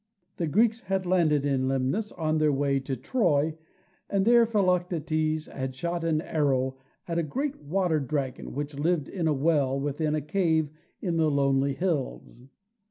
The Greeks had landed in Lemnos, on their way to Troy, and there Philoctetes had shot an arrow at a great water dragon which lived in a well within a cave in the lonely hills.